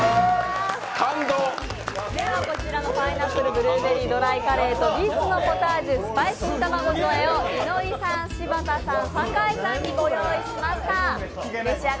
こちらのパイナップルブルーベリードライカレーとビーツのポタージュスパイス煮たまご添えをいのりさん、柴田さん、酒井さんにご用意しました。